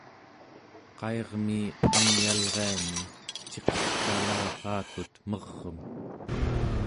qairmi angyalriani ciqertalaraakut mer'em